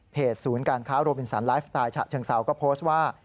ศูนย์การค้าโรบินสันไลฟ์สไตล์ฉะเชิงเซาก็โพสต์ว่า